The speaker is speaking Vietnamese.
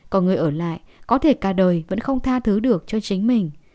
còn người ở lại có thể cả đời vẫn không tha thứ được cho chính mình